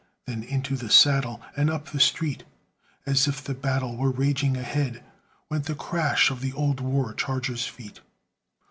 Then into the saddle and up the street, As if the battle were raging ahead, Went the crash of the old war charger's feet.